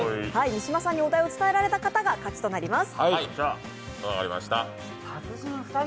三島さんにお題を伝えられた方が勝ちとなります。